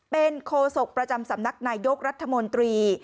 เป็นโคศกประจำสำนักนายยกรัฐมนตรี